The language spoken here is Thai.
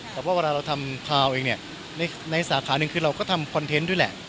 แต่ว่าเวลาเราทำพาวเองเนี่ยในสาขาหนึ่งคือเราก็ทำคอนเทนต์ด้วยแหละ